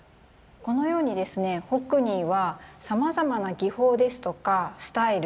このようにですねホックニーはさまざまな技法ですとかスタイル